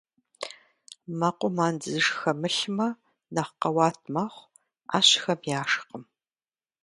Мэкъум андзыш хэмылъмэ нэхъ къэуат мэхъу, ӏэщхэм яшхкъым.